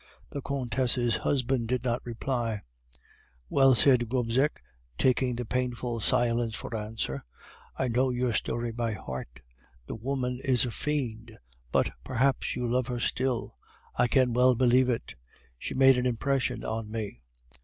The Comtesse's husband did not reply. "'Well,' said Gobseck, taking the pained silence for answer, 'I know your story by heart. The woman is a fiend, but perhaps you love her still; I can well believe it; she made an impression on me.